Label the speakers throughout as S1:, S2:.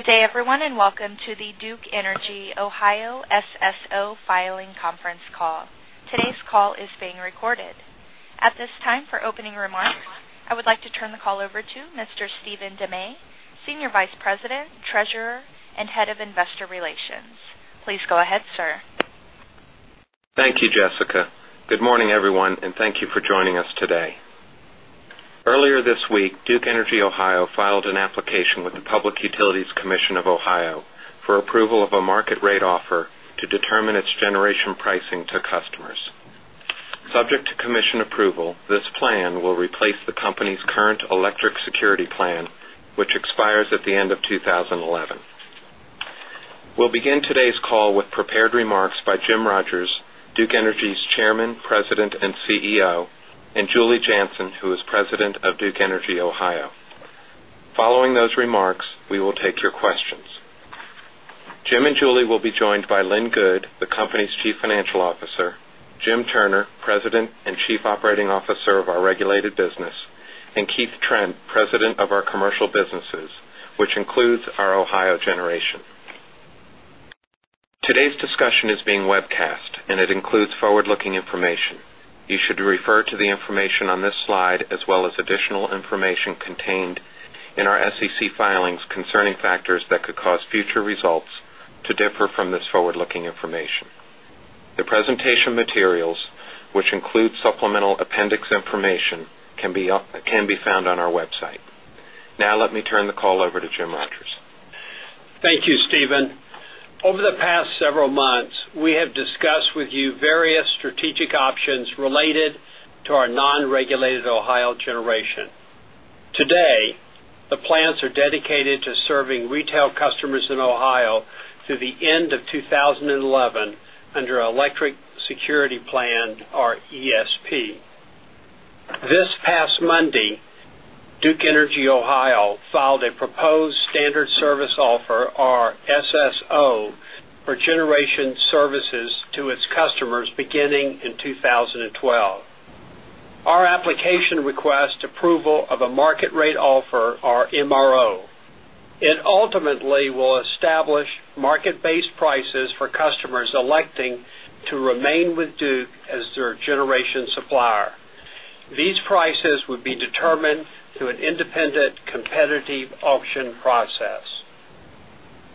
S1: Good day, everyone, and welcome to the Duke Energy Ohio SSO Filings Conference Call. Today's call is being recorded. At this time, for opening remarks, I would like to turn the call over to Mr. Stephen DeMay, Senior Vice President, Treasurer and Head of Investor Relations. Please go ahead, sir.
S2: Thank you, Jessica. Good morning, everyone, and thank you for joining us today. Earlier this week, Duke Energy Ohio filed an application with the will replace the company's current electric security plan, which expires at the end of begin today's call with prepared remarks by Jim Rogers, Duke Energy's Chairman, President and CEO and Julie Janssen, who is President of Duke Energy, Ohio. Following those remarks, we will take your questions. Jim and Julie will be joined by Lynn Good, the company's Chief Financial Officer Jim Turner, President and Chief Operating Officer of our regulated business and Keith Trent, Trent, President of our commercial businesses, which includes our Ohio generation. Today's discussion is being webcast and it includes forward looking that could cause future results to differ from this forward looking information. The presentation materials, which include supplemental appendix information can be found on our website. Now let me turn the call over to Jim Rogers.
S3: Thank you, Stephen. Over the past several months, we have discussed with you various strategic options related to our non regulated Ohio standard service offer or SSO for generation services to its customers beginning in 2012. Our application request approval of a market rate offer or MRO. It ultimately will will establish market based prices would be determined through an independent competitive auction process.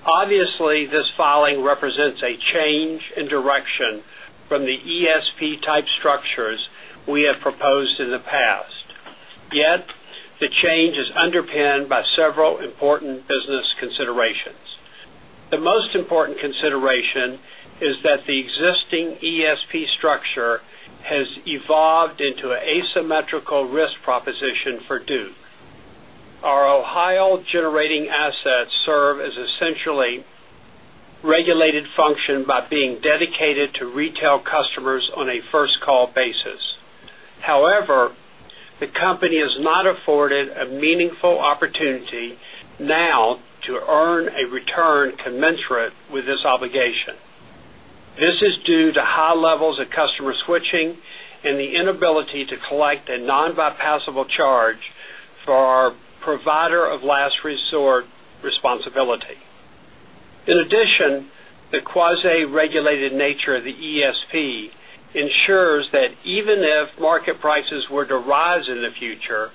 S3: Obviously, this filing represents a change in direction from the ESP type structures we have proposed in the past. Yet, the change is underpinned by several important business considerations. The most important consideration is that the existing ESP structure has evolved into an asymmetrical risk proposition for Duke. Our Ohio generating assets serve as essentially regulated function by being dedicated to retail customers on a first call earn the quasi regulated nature of the ESP ensures that even if market prices were to rise in the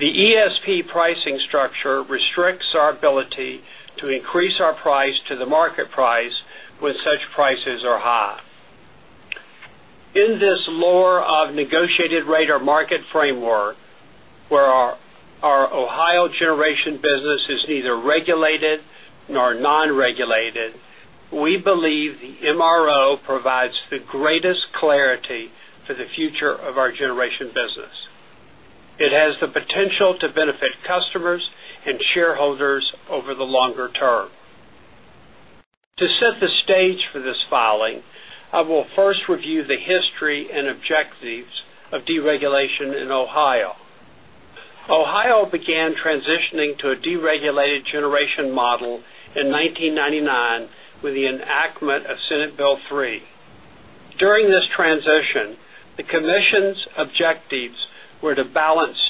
S3: the structure restricts our ability to increase our price to the market price when such prices are high. In this lore of negotiated rate or market framework, where our Ohio generation business is generation of our generation business. It has the potential to benefit customers and shareholders over the longer term. To set the stage for this filing, I will first review the history and objectives of deregulation in Ohio. Ohio began transitioning to a deregulated generation model in 1999 with the enactment of
S4: of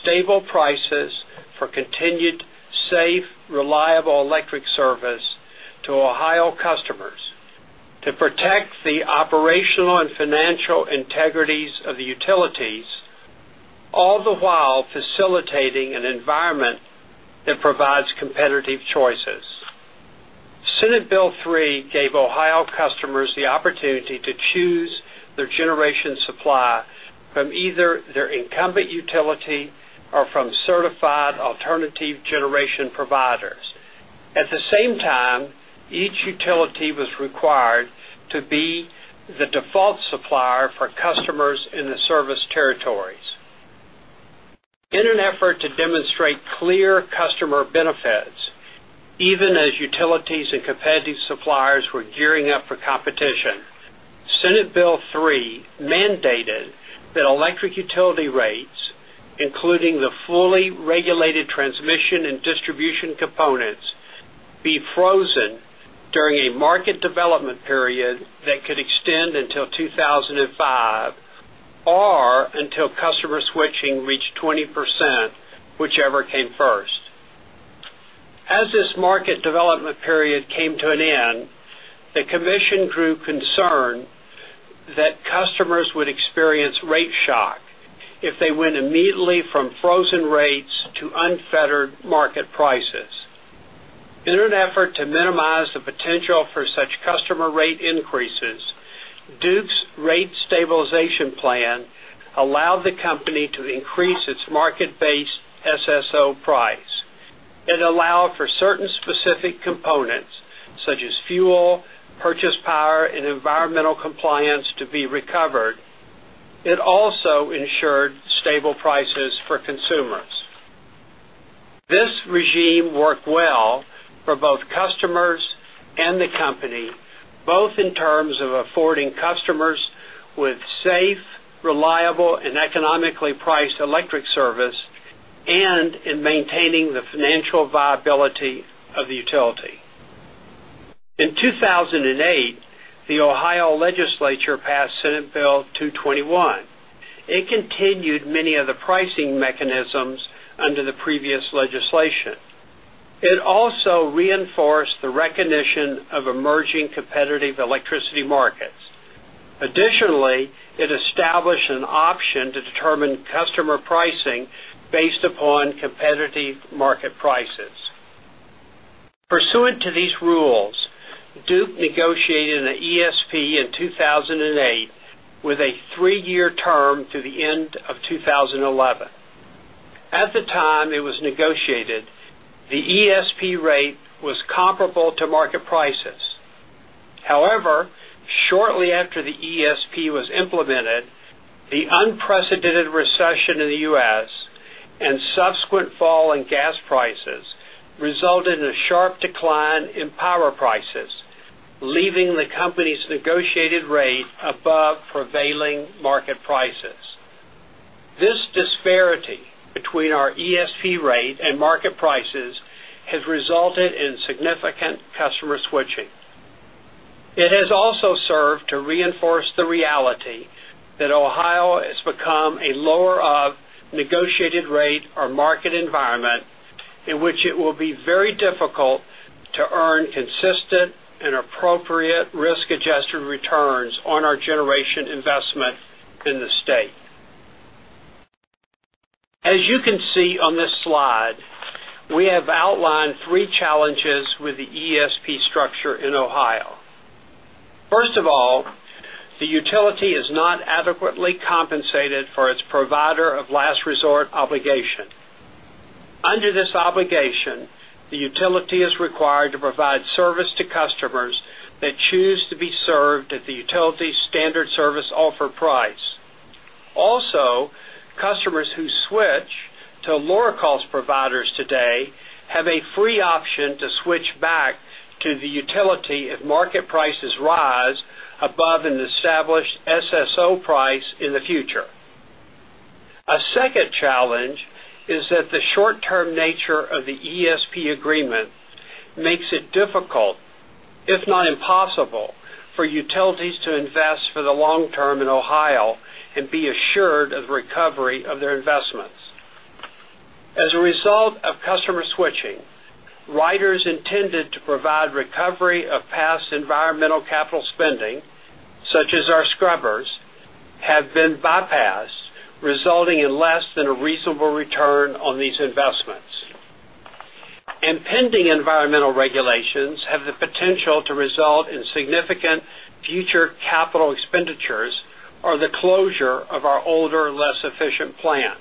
S3: stable prices for continued safe reliable electric service to Ohio customers to protect the operational and financial integrities of the utilities all the while facilitating an environment that provides competitive choices. Or from certified alternative generation providers. At the same time, each utility was required to be the default supplier for customers in the service territories. In an effort to demonstrate clear clear customer benefits, even as utilities and competitive suppliers were gearing up for competition, Senate Bill 3 mandated that during a market development period that could extend until 2,005 or until customer switching commission drew concern that customers would experience rate shock if they went immediately from frozen rates to unfettered market prices. In an effort to minimize the potential for such customer rate rate increases, Duke's rate stabilization plan allowed the company to increase its market based SSO price. Allowed for certain specific components such as fuel, purchase power and environmental compliance to be recovered. It also ensured stable prices for consumers. This regime worked well for both with safe, reliable and economically priced electric service and in maintaining the financial viability of the utility. In 2,008, the Ohio legislature passed Senate Bill 221. It continued many of the pricing mechanisms under the previous legislation. It also reinforced the recognition of emerging competitive electricity markets. Additionally, it established an option to determine customer pricing based upon competitive market prices. Pursuant to these rules, Duke
S2: At the time it was
S3: negotiated, the ESP rate was comparable to market prices. However, shortly after the ESP was implemented, unprecedented recession in the U. S. And subsequent fall in gas prices resulted in a sharp decline in power prices, leaving the company's negotiated rate above prevailing market prices. This disparity between our ESP rate and market prices has resulted in significant customer switching. It has also served to reinforce the reality that Ohio has become a lower of negotiated rate or market environment in which it will be very difficult to earn consistent and appropriate risk adjusted returns on our generation investment in the state. As you can see on this slide, we have outlined 3 challenges with the ESP structure in Ohio. First of all, the utility is not adequately compensated for its provider of last resort obligation. Under this obligation, the utility is required to provide service to customers that choose to be served at the utility standard service offer price. Also, customers who switch to lower cost providers today have a free option to switch back to the utility if market prices rise above an established SSO price in the future. A second challenge for utilities to invest for the long term in Ohio and be assured of recovery of their investments. As a result As have been bypassed resulting in less than a reasonable return on these investments. And pending environmental regulations have the potential to result in significant future capital expenditures or the closure of our older less efficient plants.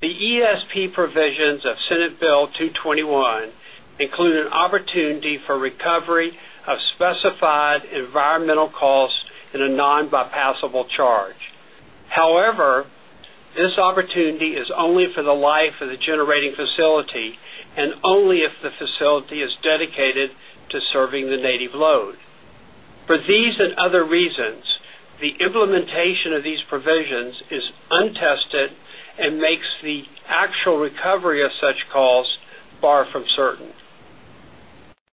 S3: The ESP provisions of Senate Bill 221 include an opportunity for recovery of specified environmental bypassable charge. However, this opportunity is only for the life of the generating facility and only if the facility is dedicated to serving the native load. For these and other reasons, the implementation of these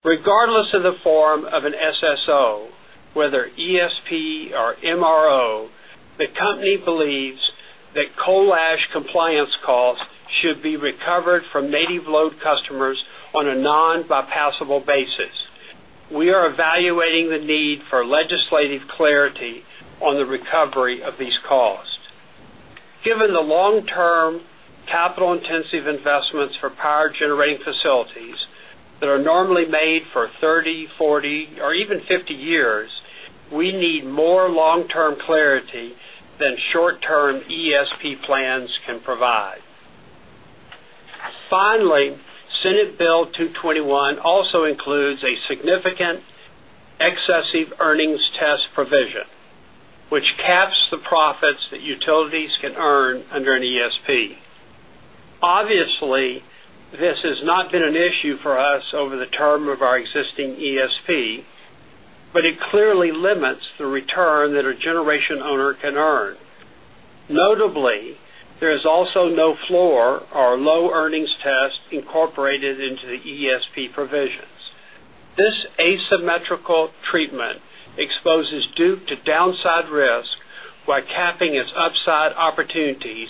S3: Regardless of the form of an SSO, whether ESP or MRO, the company believes that coal ash compliance costs should be recovered from native load customers on a non bypassable basis. We are evaluating the need for legislative clarity on the recovery of these costs. Given the long term capital intensive investments for power generating facilities that are normally made for 30, 40 or even 50 years, we need more long term clarity than short term ESP plans can provide. Finally, Finally, caps the profits that utilities can earn under an ESP. Obviously, this has not been an issue for us over the term of our existing ESP, but it clearly limits the return that a generation owner can earn. Asymmetrical treatment exposes Duke to downside risk, while capping its upside opportunities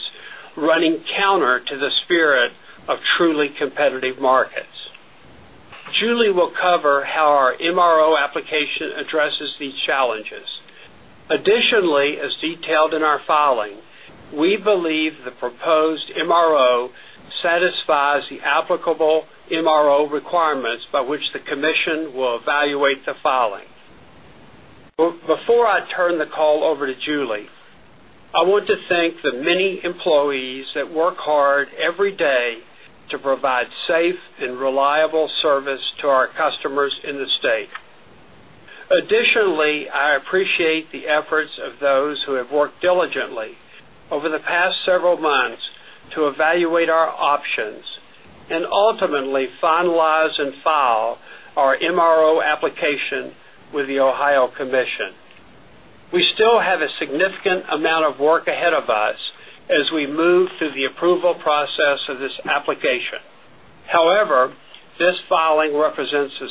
S3: running counter to the spirit of truly competitive markets. Julie will cover how
S1: MRO
S3: satisfies the applicable MRO requirements by which the commission will evaluate the filing. Before I turn the call over to Julie, I want to thank the many employees that work hard every day to provide safe and of those who have worked diligently over the past several months to evaluate our options and ultimately finalize and file our MRO application with the Ohio Commission. We still have a significant amount of work ahead of us as we move through the approval process of this application. However, this filing represents
S1: a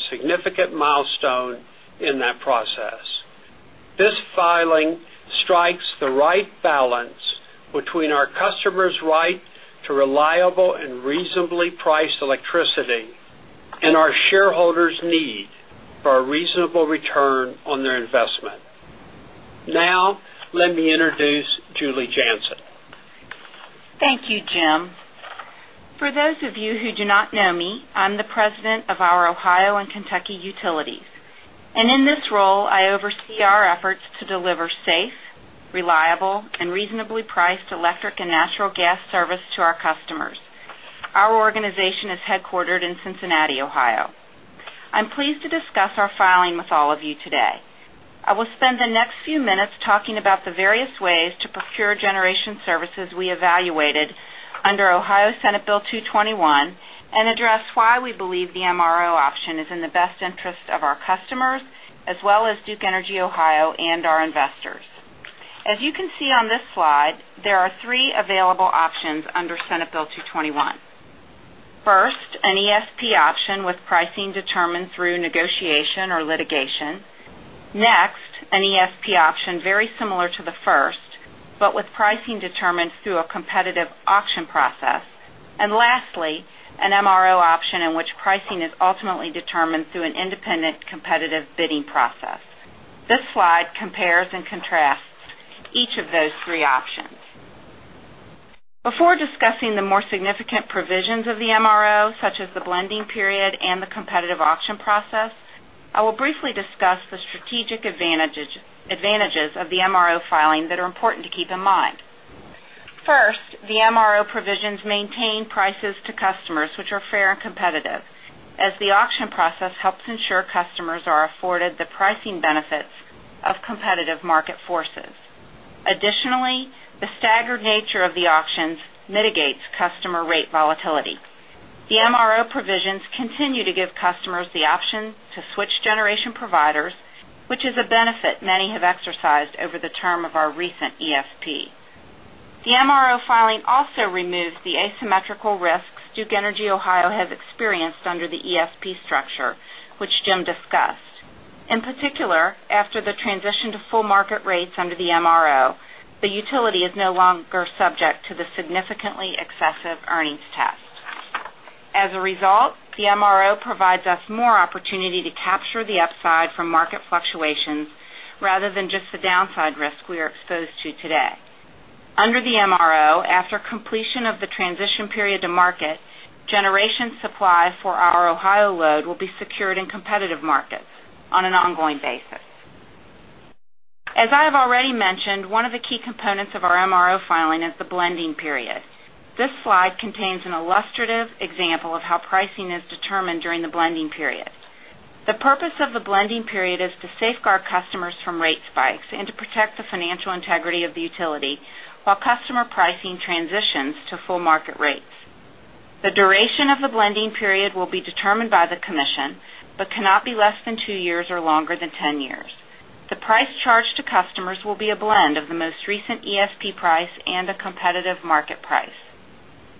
S3: our customers' right to reliable and reasonably priced electricity and our shareholders' need for a reasonable return on their investment. Now let me introduce Julie Janzen.
S1: Thank you, Jim. For those of you who do not know me, I'm the President of our Ohio and Kentucky utilities. And in this role, I oversee our efforts deliver safe, reliable and reasonably priced electric and natural gas service to our customers. Our organization is headquartered in Cincinnati, Ohio. I'm pleased to discuss our filing with all of you today. I will spend the next few minutes talking about the various ways to procure generation services we evaluated under Ohio Senate Bill 2 21 and address why we believe 3 available options under Senate Bill 2 21. 1st, an ESP option with pricing determined through negotiation or litigation next, an ESP option very similar to the first, but with pricing determined through a
S5: an
S1: discuss the strategic advantages of the MRO filing that are important to keep in mind. First, the MRO provisions maintain prices to customers which are fair and competitive as the auction process helps ensure customers are afforded the pricing benefits of competitive market forces. Additionally, the staggered nature of the auctions mitigates customer rate volatility. The MRO provisions continue to give customers the option to switch generation providers, which is a benefit many have exercised over the term of our recent ESP. The MRO filing also removes the asymmetrical risks Duke Energy Ohio has experienced under the ESP structure, which Jim discussed. In particular, after the transition to full market rates under the MRO, the utility is no longer subject to the significantly excessive earnings test. As a result, the MRO provides us more opportunity to capture the upside from market fluctuations rather than just the downside risk we are exposed to today. Under the MRO, after completion of the transition period to market, generation supply for our Ohio load will be secured in competitive markets on an ongoing basis. As I have already mentioned, one of the key components of our MRO filing is the blending period. This slide contains an illustrative example of how pricing is determined during the blending period. The purpose of the blending period is to safeguard customers from rate spikes and to protect the financial integrity of the utility, while customer pricing transitions to full market rates. The duration of the blending period will be determined by the commission, but cannot be
S5: less than 2 years or longer
S1: than 10 years. The a competitive market price.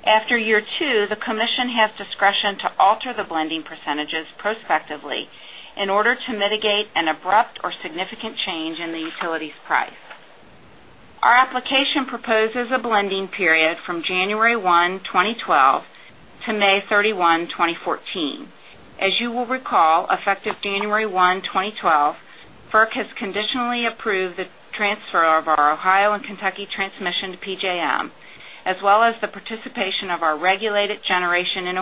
S1: After year 2, the commission has discretion to alter the blending percentages prospectively in order to mitigate an abrupt or significant change in the utility's price. Our application proposes a blending period from January 1, 1, 2012 to May 31, 2014. As you will recall, effective January 1, 2012, FERC has conditionally approved the transfer of our Ohio and Kentucky transmission to PJM as well as the participation of our regulated generation in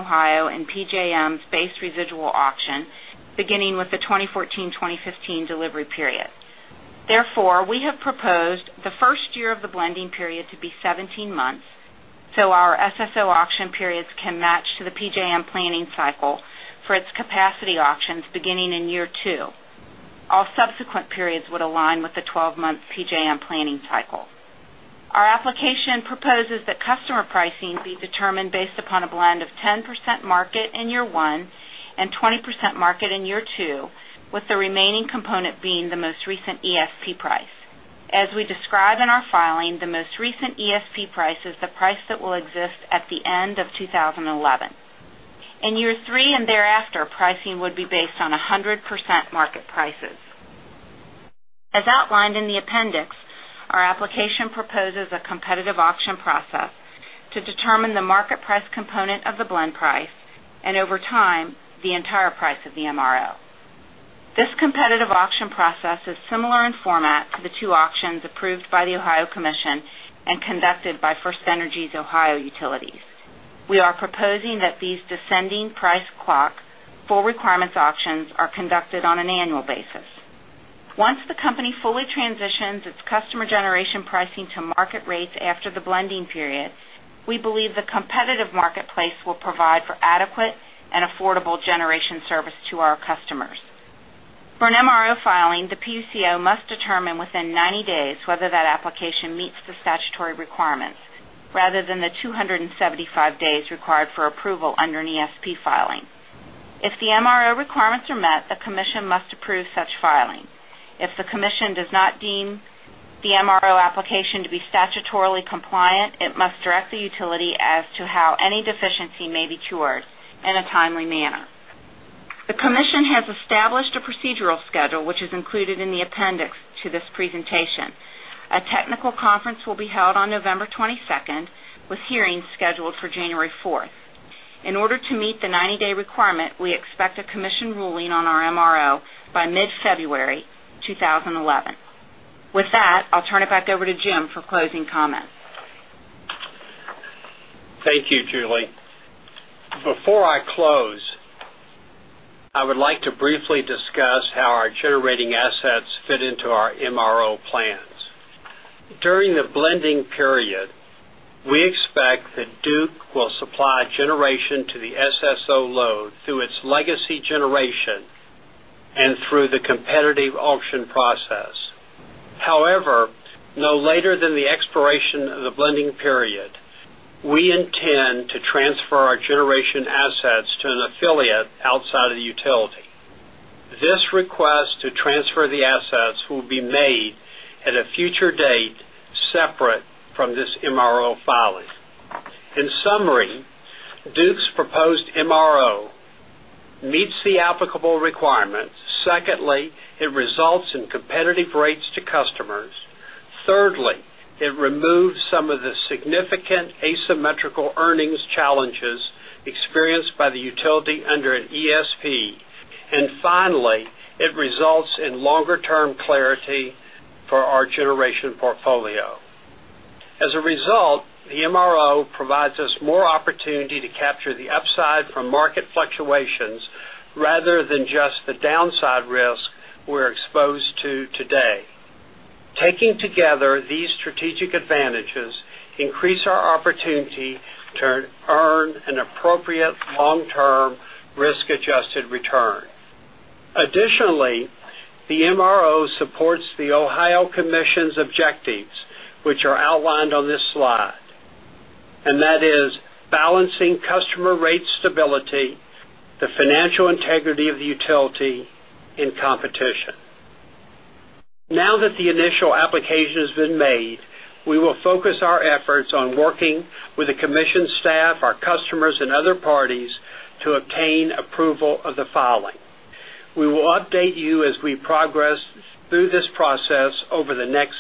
S1: proposed the 1st year of the blending period to be 17 months, so our SSO auction periods can match to the PJM planning cycle for its capacity auctions beginning in year 2. All subsequent periods would align with the 12 month PJM in year 1 20% market in year 2 with the remaining component being the most recent ESP price. As we describe in our filing, the most recent ESP price is the price that will exist at the end of 2011. In year 3 and thereafter, pricing would be based on 100% market prices. As outlined in the appendix, our application proposes a competitive competitive auction process is similar in format to the 2 auctions approved by the Ohio Commission and conducted by First Ohio utilities. We are proposing that these descending price clock full requirements auctions are conducted on an annual basis. Once the company fully transitions its customer generation pricing to market rates after the blending period, we believe the competitive marketplace will provide adequate and affordable generation service to our customers. For an MRO filing, the PUCO must determine within 90 days whether that application meets the statutory requirements rather than the 275 days required for approval under an ESP filing. If the MRO requirements are met, the commission must approve such filing. If the commission does not deem the MRO application to be statutorily compliant, it must direct the utility as to how any deficiency may be cured in a timely manner. The commission has established a procedural schedule, which is included in the appendix to this presentation. A technical conference will be held on November 22 with hearings scheduled for January 4. In order to meet the 90 day requirement, we expect a
S3: Thank you, Julie. Before I close, I would like to briefly discuss how our generating assets fit into our MRO plans. During the blending period, we expect that Duke will supply generation to the SSO load through its legacy generation and through the competitive auction process. However, no later than the expiration of the blending period, we intend to transfer our generation assets to an affiliate outside of the utility. This request to transfer the assets will be made at a future date separate from this MRO filing. In summary, Duke's proposed MRO meets the applicable requirements. Secondly, it results in competitive rates to customers. Thirdly, it removes some of the significant asymmetrical earnings challenges experienced by the utility under an ESP. And finally, it results in longer term clarity for our generation portfolio. As a result, the MRO provides us more opportunity to capture the upside from market fluctuations rather than just the downside risk we're exposed to today. Taking together these strategic advantages increase our the the initial application has been made, we will focus our efforts on working with the commission staff, our customers and other parties to obtain approval of the filing. We will update you as we progress through this process over the next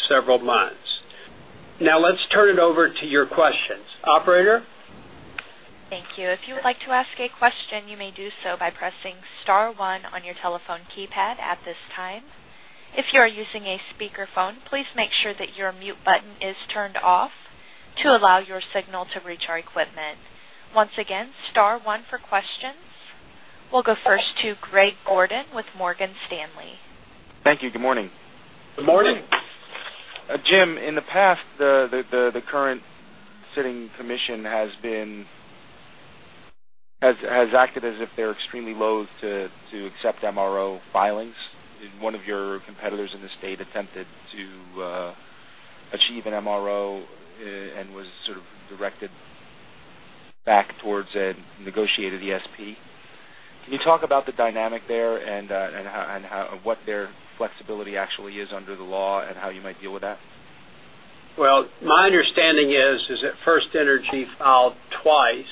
S1: We'll go first to Greg Gordon with Morgan Stanley.
S6: Thank you. Good morning. Good morning. Jim, in the past, the current 1 of your competitors in the state attempted to achieve an MRO and was sort of directed back towards a negotiated ESP. Can you talk about the dynamic there and how what their flexibility actually is under the law and how you might deal with that?
S3: Well, my understanding is that FirstEnergy filed twice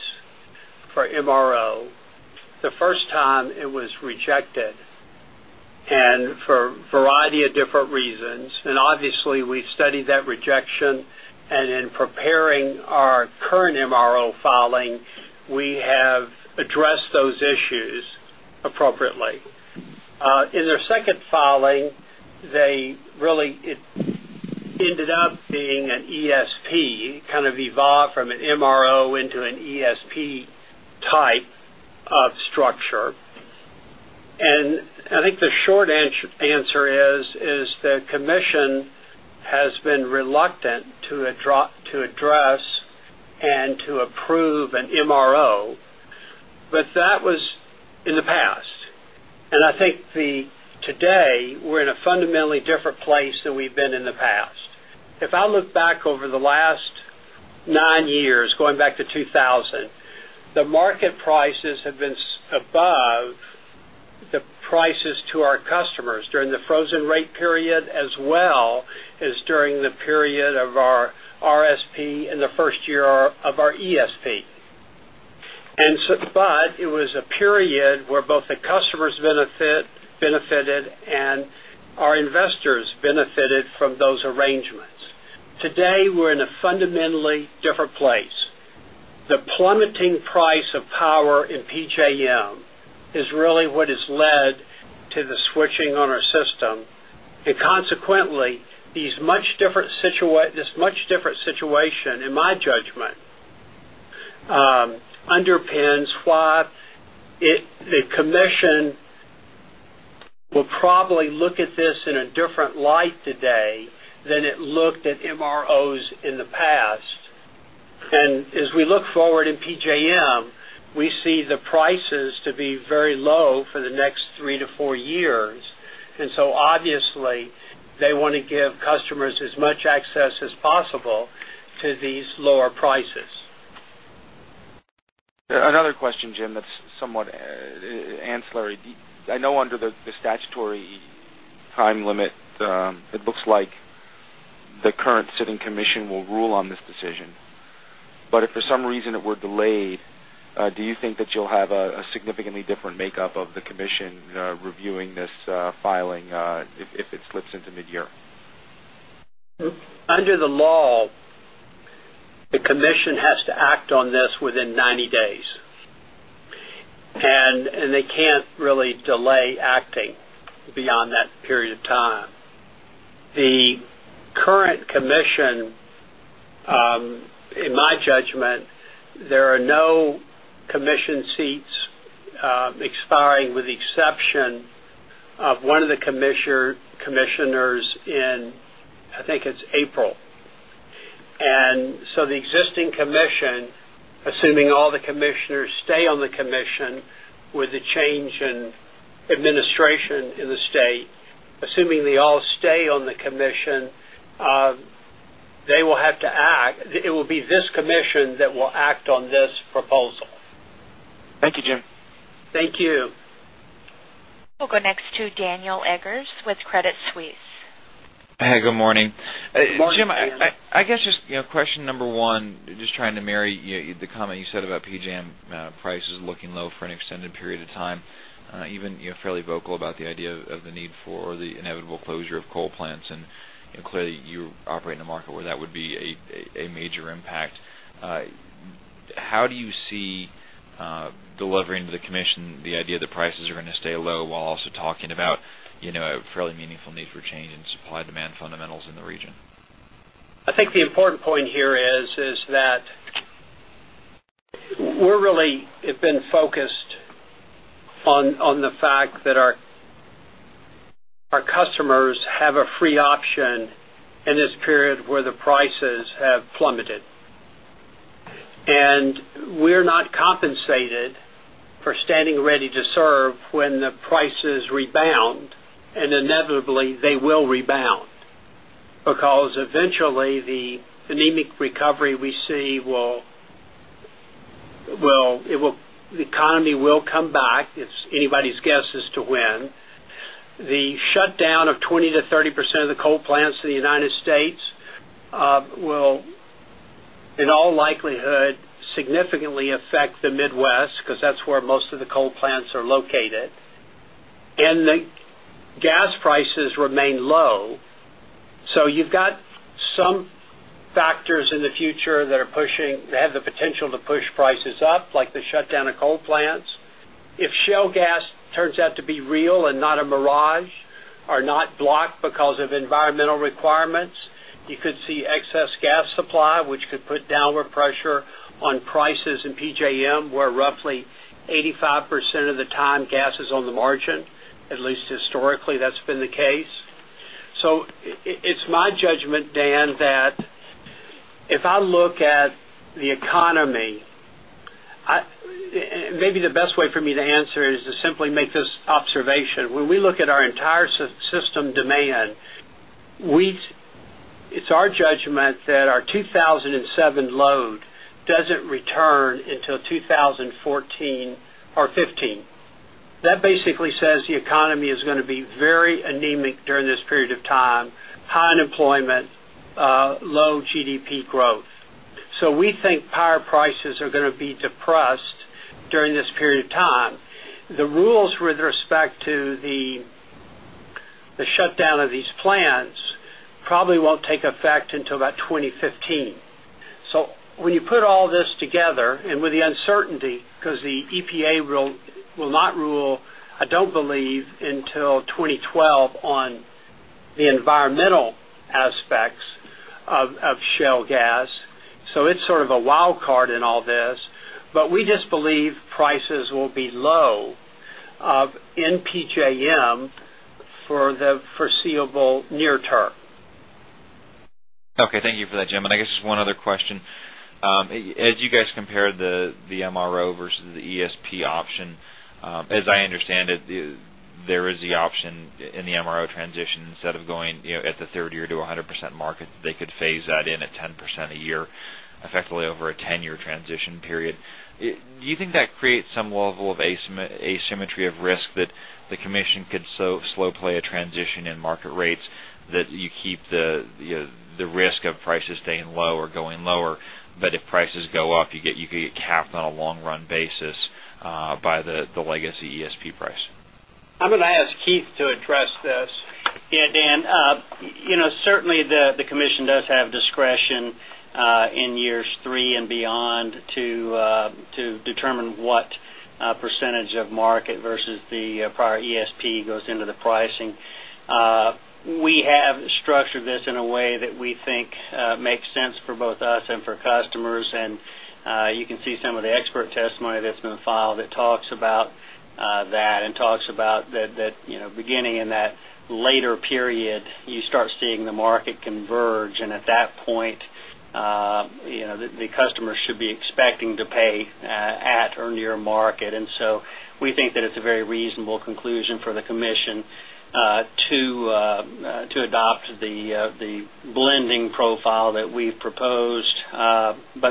S3: for MRO. The first time it was rejected
S5: and for
S3: a variety of different reasons. And obviously, we've studied that rejection And in preparing our current MRO filing, we have addressed those issues appropriately. In their second filing, they really it ended up being an ESP kind of evolved from an MRO into an ESP type of structure. And I think the short answer is, is the commission has been reluctant to address and to approve an MRO, but that was in the past. And I think the today we're in a fundamentally different place than we've been in the past. If I look back over the last 9 years going back to 2 1,000, the market prices have been above the prices to our customers during the frozen rate But it was a period where both the customers benefited and our investors benefited from those arrangements. Our investors benefited from those arrangements. Today, we're in a fundamentally different place. The plummeting price of power in PJM is really what has led to the switching on our system. And consequently, this much different situation in my judgment underpins why the commission will probably look at this in a different light today than it looked at MROs in the past. And as we look forward in PJM, we see the prices to be very low for the next 3 to 4 years. And so obviously, they want to give customers as much access as possible to these lower prices.
S6: Another question, Jim, that's somewhat ancillary. I know under the statutory time limit, it looks like the current sitting commission will rule on this decision. But if for some reason it were delayed, do you think that you'll have a significantly different makeup of the commission reviewing this filing if it slips into midyear?
S7: Under the
S3: law, the commission has to act on this within 90 days. And they can't delay acting beyond that period of time. The current commission in my judgment, there are no commission seats expiring with the exception of 1 of the commissioners in I think it's April. And so the existing commission assuming all the commissioners stay on the commission with the change in administration in the state, assuming they all stay on the commission, they will have to act. It will be this commission that will act on this proposal.
S7: Thank you, Jim. Thank you.
S1: We'll go next to Daniel Eggers with Credit Suisse.
S8: Hi, good morning. Good morning, Daniel. Jim, I guess just question number 1, just trying to marry the comment you said about PJM prices looking low for an extended period of time. Even you're fairly vocal about the idea of the need for the inevitable closure of coal plants and clearly you operate in a market where that would be a major impact. How do you see delivering to the commission the idea that prices are going to stay low while also talking about a fairly meaningful need for change in supply demand fundamentals in the region?
S3: I think the important point here is that we're really have been focused on the fact that our customers have a free option in this period where the prices have plummeted. And we're not compensated for anemic
S9: recovery
S3: we see will anemic recovery we see will it will the economy will come back. It's anybody's guess as to when. The shutdown of 20% to 30% of the coal plants in the United States will in all likelihood significantly affect the Midwest because that's where most of the coal plants are located. And the gas prices remain low. So you've got some factors in the future that are pushing they have the potential to push prices up like the shutdown of coal plants. If shale gas turns out to be real and not a mirage or not blocked because of environmental requirements. You could see excess gas supply, which could put downward pressure on prices in PJM, where roughly 85% of the time gas is on the margin. At least historically that's been the case. So it's my judgment Dan that if I look at the economy, maybe the best way for me to answer is to simply make this observation. When we look at our entire system demand, we it's our judgment that our 2,007 load doesn't return until 2014 or 2015. That basically says the economy is going to be very anemic during this period of time, high unemployment, low GDP growth. So we think power prices are going to be depressed during this period of time. The rules with respect to the shutdown of these plants probably won't take effect until about 2015. So when you put all this together and with the uncertainty, because the EPA will not rule, I don't believe until 2012 on the environmental aspects of shale gas. So it's sort of a wildcard in all this. But we just believe prices will be low in PJM for the foreseeable near term.
S8: Term. Okay. Thank you for that Jim. And I guess one other question. As you guys compare the MRO versus the ESP option, as I understand it, there is the option in the MRO transition instead of going at the 3rd year to 100% market, they could phase that in at 10% transition in market rates that you keep the you know, the play a transition in market rates that you keep the risk of prices staying low or going lower. But if prices go up, you get capped on a long run basis by the legacy ESP price.
S3: I'm going to ask Keith to address this.
S5: Yes, Dan. Certainly, the commission does have discretion in years 3 and beyond to determine what percentage of market versus the prior ESP goes into the pricing. We have testimony that's been filed that talks about that and talks about that beginning in that later period, you start seeing the market converge. And at that point, the customer should be expecting to pay at or near market. And so we think that it's a very reasonable conclusion for the commission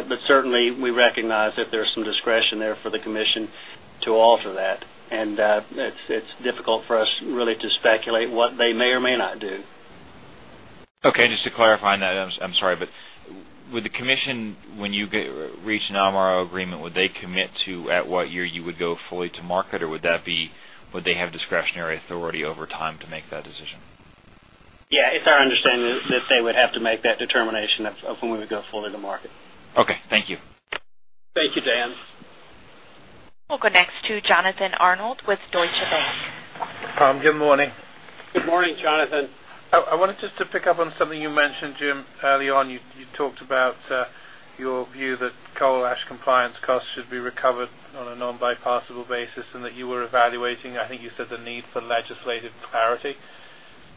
S5: But certainly, we recognize that there's some discretion there for the commission to alter that. And it's difficult for us really to speculate what they may or may not do.
S8: Okay. And just to clarify on that, I'm sorry, but with the commission when you reach an Almaro agreement, would they commit to at what year you would go fully to market? Or would that be would they have discretionary authority over time to make that decision?
S5: Yes. It's our understanding that they would have to make that determination of when we would go fully in the market.
S8: Okay. Thank you.
S3: Thank you, Dan.
S1: We'll go
S4: I wanted just to pick up on something you mentioned, Jim, early on. You talked about your view that coal ash compliance costs should be recovered on a non bypassable basis and that you were evaluating I think you said the need for legislative clarity.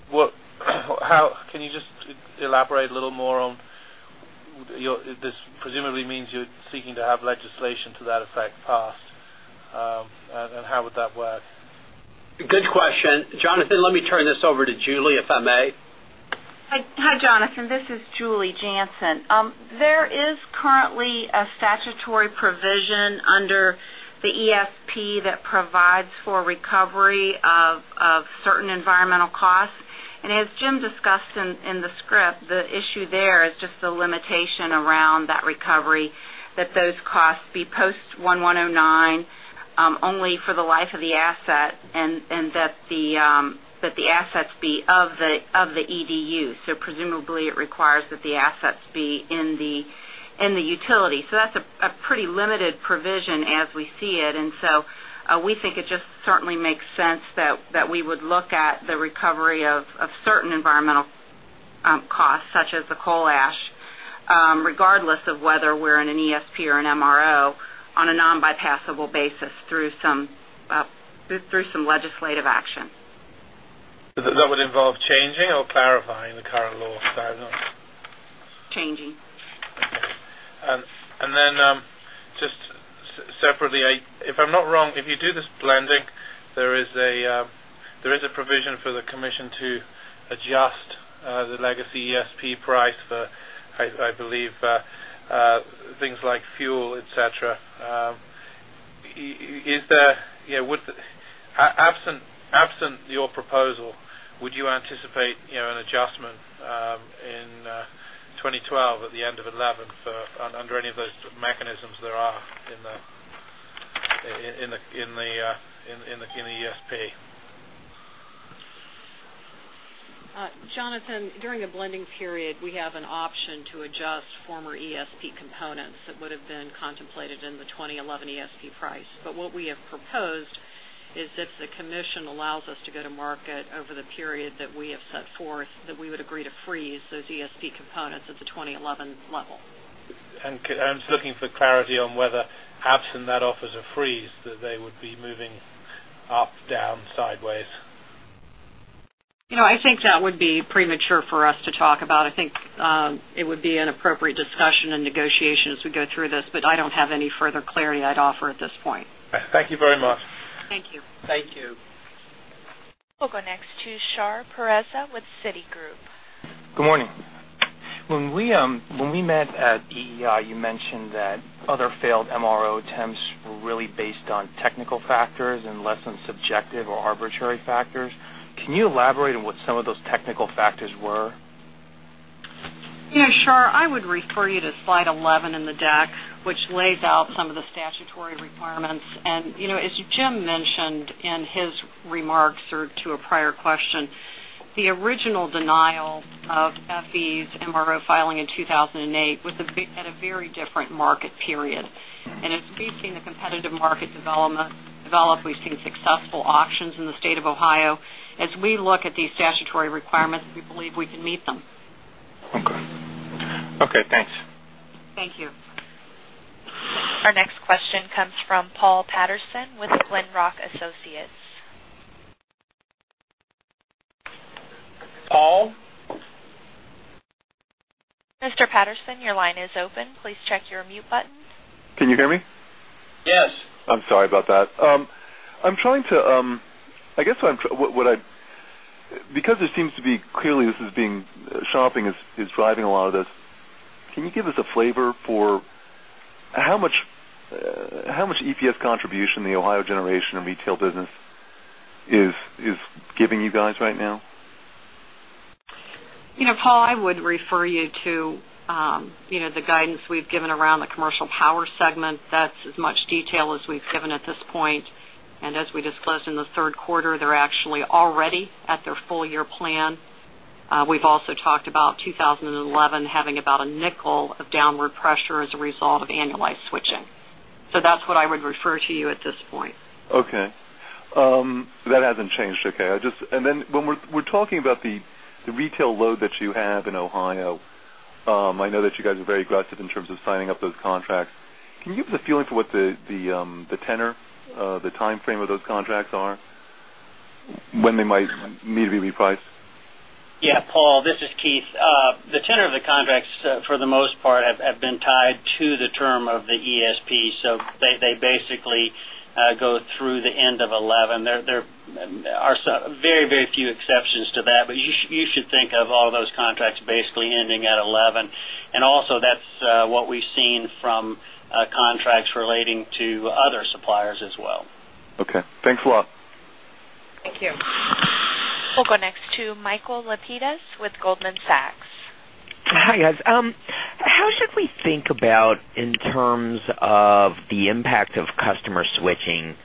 S4: What how can you just elaborate a little more on this presumably means you're seeking to have legislation to that effect passed? And how would that work?
S3: Good question. Jonathan, let me turn this over to Julie, if I may.
S1: Hi, Jonathan. This is Julie Janssen. There is currently a statutory provision under the ESP that provides for recovery of certain environmental costs. And as Jim discussed in the script, the issue there is just the limitation around that recovery that those costs be post-eleven oh nine only for the life of the asset and that the assets be of the EDU. So presumably it requires that the assets be in the utility. So that's a pretty limited provision as we see it. And so we think it just certainly makes sense that we would look at the recovery of certain environmental costs such as the coal ash, regardless of whether we're in an ESP or an MRO on a non bypassable basis through some Changing.
S4: And then just separately, if I'm not wrong, if you do this blending, there is a provision for the commission to adjust the legacy ESP price for I believe things like fuel etcetera. Is there absent your proposal, 2011 for under any of those mechanisms there are in the CUNY ESP.
S10: Jonathan, during the blending period, we have an option to adjust former ESP components that would have been contemplated in the 20 11 ESP price. But what we have proposed is if the commission allows us to go to market over the period that we have set forth that we would agree to freeze those ESP components at the 2011 level.
S4: And I'm just looking for clarity on whether absent that offers a freeze that they would be moving up, down, sideways?
S10: I think that would be premature for us to talk about. I think it would be an appropriate discussion and negotiation as we go through this, but I don't have any further clarity I'd offer at this point.
S4: Thank you very much.
S10: Thank you.
S7: Thank you.
S1: We'll go next to Shar Pourreza with Citigroup.
S6: Good morning.
S2: When we met at EEI, you mentioned that other failed MRO attempts were really based on technical factors and less than subjective or arbitrary factors. Can you elaborate on what some of those technical factors were?
S10: Yes. Shar, I would refer you to slide 11 in the deck, which lays out some of the statutory requirements. And as Jim mentioned in his remarks or to a prior question, the original denial of FE's MRO filing in 2,008 was at a very different market period. And as we've seen the competitive market develop, we've seen successful auctions in the state of Ohio. As we look at these statutory requirements, we believe we can meet them.
S8: Okay. Okay, thanks.
S1: Thank you. Our next question comes from Paul Patterson with Glenrock Associates.
S5: Paul?
S1: Mr. Patterson, your line is open. Please check your mute button.
S11: Can you hear me?
S3: Yes.
S11: I'm sorry about that. I'm trying to I guess what I because it seems to be clearly this is being shopping is driving a lot of this. Can you give us a flavor for how much EPS contribution the Ohio Generation and Retail business is giving you guys right now?
S10: Paul, I would refer you to the guidance we've given around the Commercial Power segment. That's as much detail as we've given at this point. And as we about a nickel of downward pressure as a result of annualized switching. So that's what I would refer to you at this point.
S11: Okay. That hasn't changed, okay. And then when we're talking about the retail load that you have in Ohio, I know that you guys are very aggressive in terms of signing up those contracts. Can you give us a feeling for what the tenure, the timeframe of those contracts are? When they might need to be repriced?
S5: Yes. Paul, this is Keith. The tenure of the contracts for the most part have been tied to the term of the ESP. So they basically go through the end of 2011. There are very, very few exceptions to that, but you should think of all those contracts basically ending at 11%. And also that's what we've seen from contracts relating to other suppliers as well.
S11: Okay. Thanks a lot.
S1: Thank you. We'll go next to Michael Lapides with Goldman Sachs. Hi, guys. How should we
S12: think about in terms of the impact of customer switching?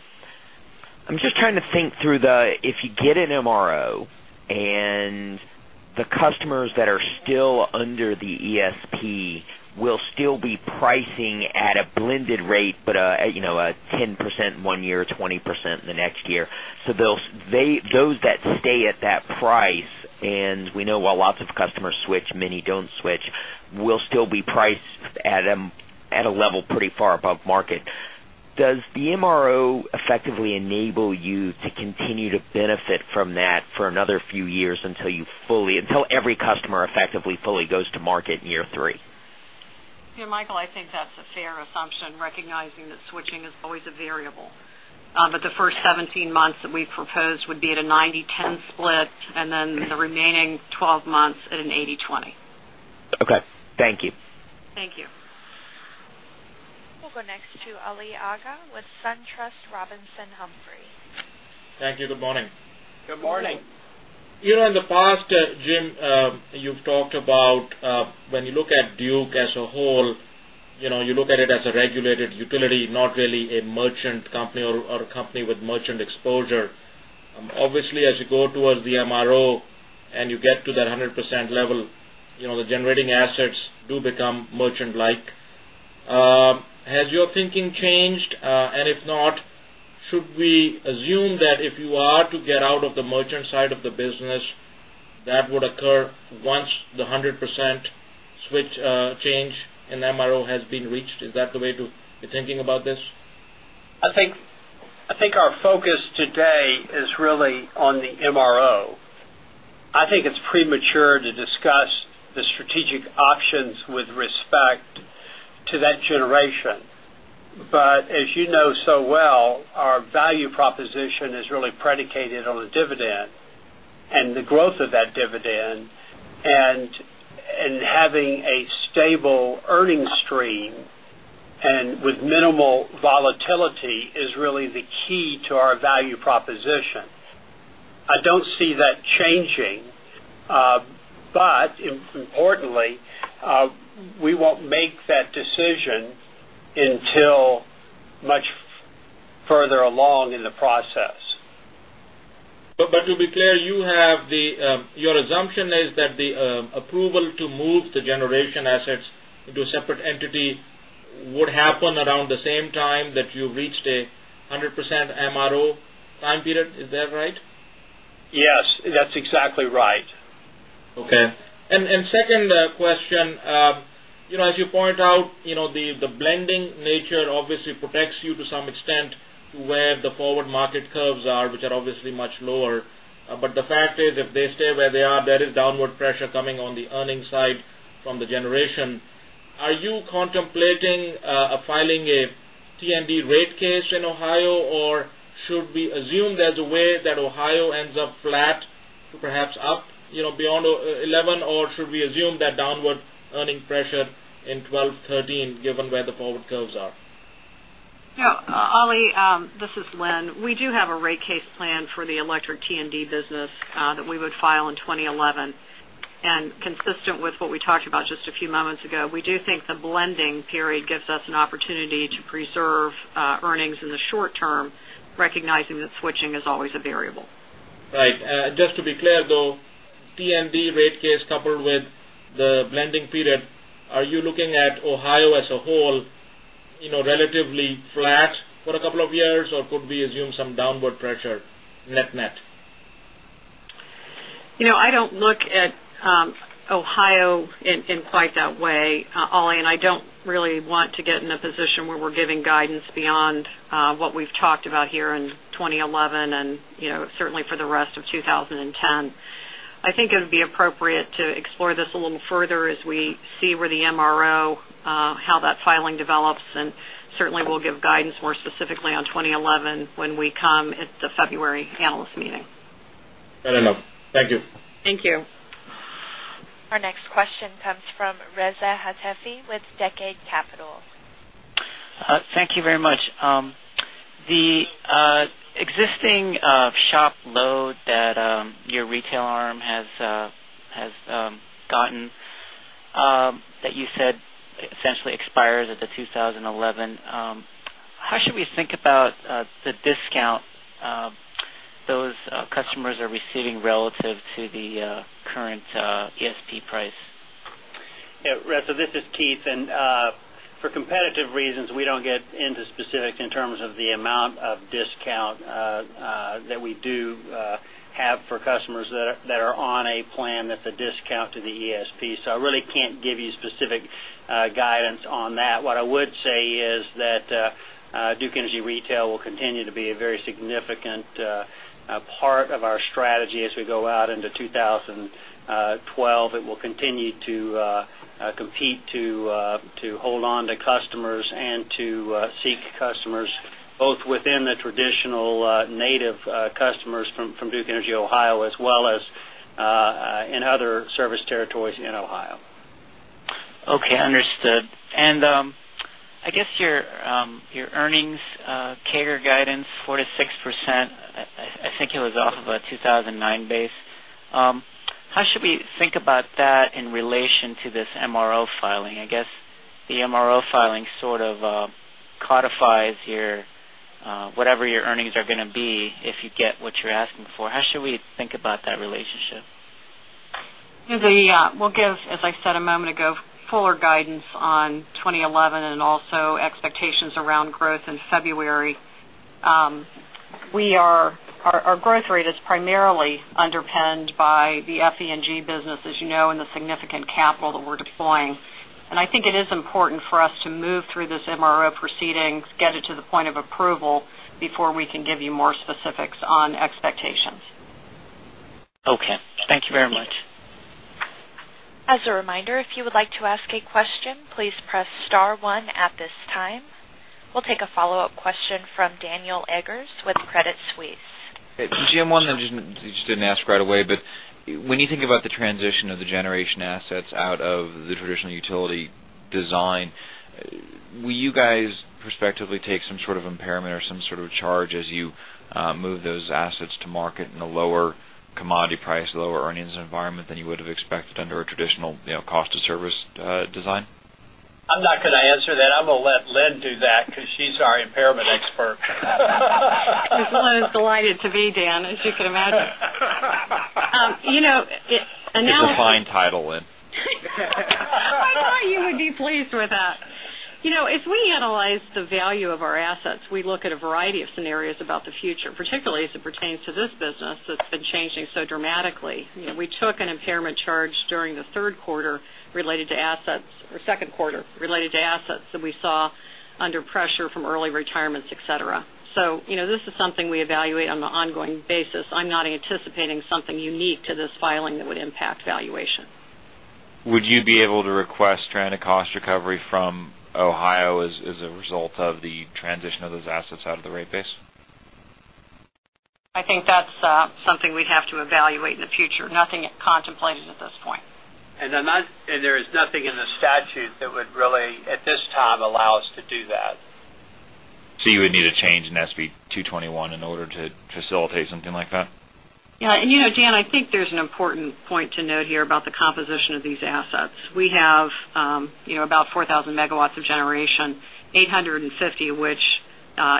S12: I'm just trying to think through the if you get an MRO and the customers that are still under the ESP will still be pricing at a blended rate, but a 10% 1 year or 20% in the next year. So those that stay at that price and we know while lots of customers switch many don't switch will still be priced at a level pretty far above market. Does the MRO effectively enable you to continue to benefit from that for another few years until you fully until every customer effectively fully goes to market in year 3?
S10: Yes, Michael, I think that's a fair assumption recognizing that switching is always a variable. But the first 17 months that we proposed would be at a ninety-ten split and then the remaining 12 months at an eighty-twenty.
S7: Okay. Thank you.
S1: Thank you. We'll go next to Ali Agha with SunTrust Robinson Humphrey.
S9: Thank you. Good morning. Good morning. In the past, Jim, you've talked about when you look at Duke as a whole, you look at it as a regulated utility, not really a merchant company or a company with merchant exposure. Obviously, as you go towards the MRO and you get to that 100% level, the generating assets do become merchant like. Has your thinking changed? And if not, should we assume that if you are to get out of the merchant side of the business that would occur once the 100% switch change in MRO has been reached? Is that the way to be thinking about this?
S3: I think our focus today is really on the MRO. I think it's premature value proposition is really predicated on the value proposition is really predicated on the dividend
S5: and the growth of that dividend
S3: and having a stable earnings stream and with minimal volatility is really the key to our value that decision until much further along in the process.
S9: But to be clear, you have the your assumption is that the approval to move the generation assets into a separate entity would happen around the same time that you reached a 100 percent MRO time period. Is that right? Yes. That's exactly right. And second question, as you point out, the blending nature obviously protects you to some extent where the forward market curves are, which are obviously much lower. But the fact is if they stay where they are there is downward pressure coming on the earnings side from the generation. Perhaps up beyond that Ohio ends up flat to perhaps up beyond 11% or should we assume that downward earning pressure in 2012, 2013 given where
S5: the forward curves are?
S10: Yes. Ali, this is Lynn. We do have a rate case plan for the electric T and D business that we would file in 2011. And consistent with what we talked about just a few moments ago, we do think the blending period gives us an opportunity to preserve earnings in the short term, recognizing that switching is always a variable.
S9: Right. Just to be clear though, TMD rate case coupled with the blending period, are you looking at Ohio as a whole relatively flat for a couple of years? Or could we assume some downward pressure net net?
S10: I don't look at Ohio in quite that way, Ali, and I don't really want to get in a position where we're giving guidance beyond what we've talked about here in 2011 and certainly for the rest of 2010. I think it would be appropriate to explore this a little further as we see where the MRO, how that filing develops. And certainly, we'll give guidance more specifically on 2011 when we come at the February Analyst Meeting.
S9: Fair enough. Thank you.
S10: Thank you.
S1: Our next question comes from Reza Hatifi with Deckade Capital.
S7: Thank you very much. The existing shop load that your retail arm has gotten that you said essentially expires at the 20 11. How should we think about the discount those customers are receiving relative to the current ESP price?
S5: Yes. Russell, this is Keith. And for competitive reasons, we don't get into specific of the amount of discount that we do have for customers that are on a plan that's a discount to the the ESP. So I really can't give you specific guidance on that. What I would say is that Duke Energy Retail will continue to a very significant part of our strategy as we go out into 2012. It will traditional native customers from Duke Energy Ohio as well as in other service territories in Ohio.
S7: Understood. And I guess your earnings CAGR guidance 4% to 6%, I think it was off of a 2,009 base. How should we think about that in relation to this MRO filing? I guess the MRO think about that relationship?
S10: We'll give, as I said a moment ago, fuller guidance on 2011 and also expectations around growth in February. We are our growth rate is primarily underpinned by the FENG business, you know, and the significant capital that we're deploying. And I think it is important for us to move through this MRO proceedings, get it to the point of approval before we can give you more specifics on expectations.
S7: Okay. Thank you very much.
S1: We'll take a follow-up question from Daniel Eggers with utility
S8: design, will you guys of the traditional utility design, will you guys prospectively take some sort of impairment or some sort of charge as you move those assets to market in a lower commodity price, lower earnings environment than you would have expected under a traditional cost of service design?
S5: I'm not going to answer that. I'm going
S3: to let Lynn do that because she's our impairment expert.
S10: I'm just delighted to be Dan as you can imagine.
S8: It's a fine title, Lynn.
S10: I thought you would be pleased with that. As we analyze the value of our assets, we look at a variety of scenarios about the future, particularly as it pertains to this business that's been changing so dramatically. We took an impairment charge during the 3rd quarter related to assets or Q2 related to assets that we saw under pressure from early retirements, etcetera. So this is something we evaluate on an ongoing basis. I'm not anticipating something unique to this filing that would impact valuation.
S8: Would you be able to request stranded cost recovery from Ohio as a result of the transition of those assets out of the rate base?
S10: I think that's something we'd have to evaluate in the future. Nothing contemplated at this point.
S3: And there is nothing in the important
S5: point to note here
S3: about the composition of
S10: Yes. And Jan, I think there's an important point to note here about the composition of these assets. We have about 4,000 megawatts of generation, 850,000 of which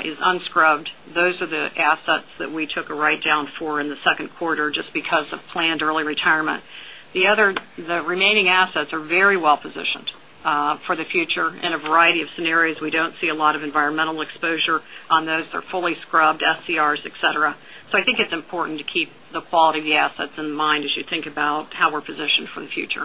S10: is unscrubbed. Those are the assets that we took a write down for in the second quarter just because of planned early retirement. The other the remaining assets are very well positioned for the future in a variety of scenarios. We don't see a of environmental exposure on those. They're fully scrubbed SCRs etcetera. So I think it's important to keep the quality of the assets in mind as you think about how we're positioned for the future.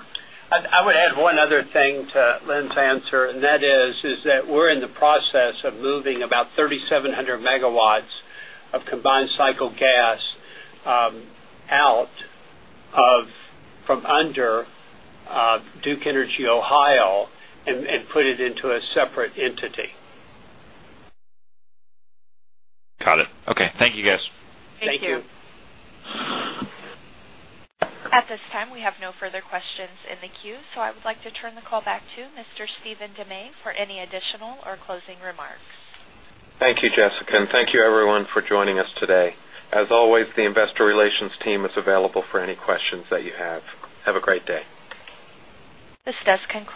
S3: I would add one other thing to Lynn's answer and that is that we're in the process of moving about 3,700 megawatts of combined cycle gas out of from under Duke Energy Ohio and put it into a separate entity.
S8: Got it. Okay. Thank you, guys.
S7: Thank you.
S1: At this time, we have no further questions in the queue. So I would like to turn the call back to Mr. Stephen Demay for any additional or closing remarks.
S2: Thank you, Jessica, and thank you everyone for joining us today. As always, the Investor Relations team is available for any questions that you have. Have a great day.
S1: This does conclude.